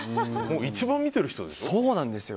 一番見てる人でしょ？